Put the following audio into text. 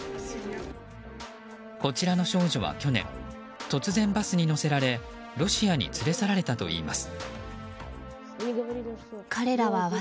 こちらの少女は去年、突然バスに乗せられロシアに連れ去られたといいます。